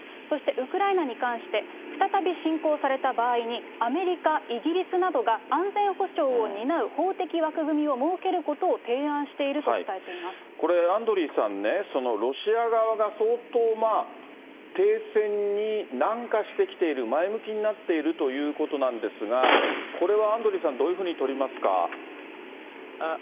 そしてウクライナに関して、再び侵攻された場合に、アメリカ、イギリスなどが、安全保障を担う法的枠組みを設けることを提案していると伝えていこれ、アンドリーさんね、ロシア側が相当、停戦に軟化してきている、前向きになっているということなんですが、これはアンドリーさん、どういうふうに取りますか？